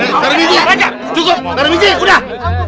berbiji cukup berbiji udah